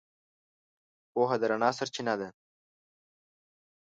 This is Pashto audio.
پوهه د رڼا سرچینه ده.